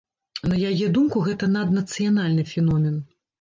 На яе думку, гэта наднацыянальны феномен.